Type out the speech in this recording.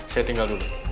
saya tinggal dulu